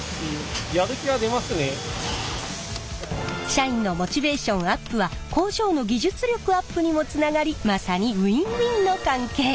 社員のモチベーションアップは工場の技術力アップにもつながりまさにウィンウィンの関係！